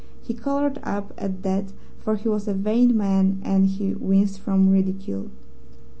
He coloured up at that, for he was a vain man, and he winced from ridicule.